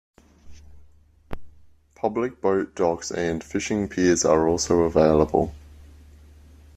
Public boat docks and fishing piers are also available.